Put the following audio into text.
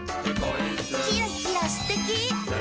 「キラキラすてき！」